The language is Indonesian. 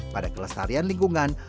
pada kelestarian lingkungan